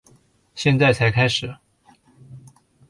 现在才开始